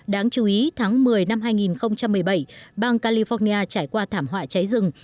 đáng chú ý tháng một mươi năm hai nghìn một mươi bảy bang california trải qua thảm họa cháy rừng